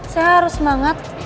saya harus semangat